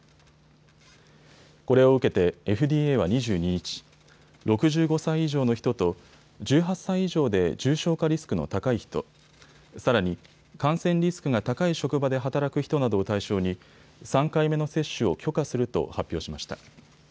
これを受けてＦＤＡは２２日、６５歳以上の人と１８歳以上で重症化リスクの高い人、さらに感染リスクが高い職場で働く人などを対象に３回目の接種を許可すると発表しました。